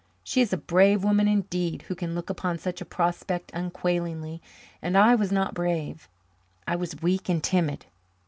She is a brave woman indeed who can look upon such a prospect unquailingly, and I was not brave. I was weak and timid.